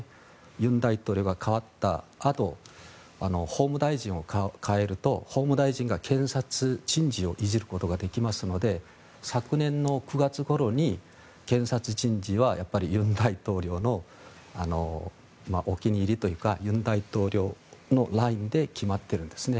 尹大統領が代わったあと法務大臣を代えると法務大臣が検察人事をいじることができますので昨年の９月ごろに検察人事は尹大統領のお気に入りというか尹大統領のラインで決まっているんですね。